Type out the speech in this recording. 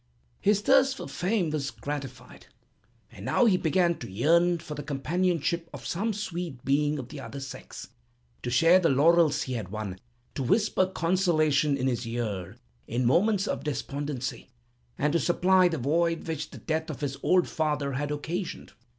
"His thirst for fame was gratified, and now he began to yearn for the companionship of some sweet being of the other sex, to share the laurels he had won, to whisper consolation in his ear in moments of despondency, and to supply the void which the death of his old father had occasioned.